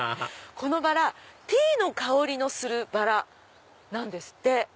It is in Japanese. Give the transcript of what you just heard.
このバラティーの香りのするバラなんですって。